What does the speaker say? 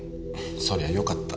そりゃよかった。